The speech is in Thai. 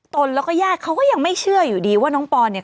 นแล้วก็ญาติเขาก็ยังไม่เชื่ออยู่ดีว่าน้องปอนเนี่ย